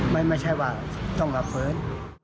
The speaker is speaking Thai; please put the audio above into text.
ไม่ใช่ว่าต้องรับฟื้น